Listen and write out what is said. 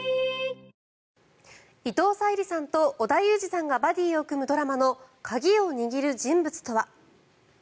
伊藤沙莉さんと織田裕二さんがバディーを組むドラマの鍵を握る人物とは？